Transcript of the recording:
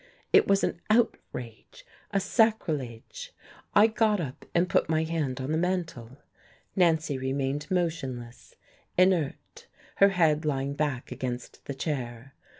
It was an outrage, a sacrilege! I got up, and put my hand on the mantel. Nancy remained motionless, inert, her head lying back against the chair.